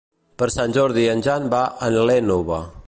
Per Sant Jordi en Jan va a l'Énova.